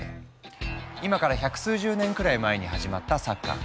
今から百数十年くらい前に始まったサッカー。